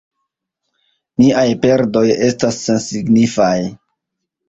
Niaj perdoj estas sensignifaj.